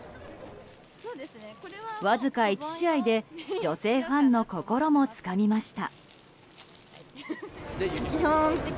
わずか１試合で女性ファンの心もつかみました。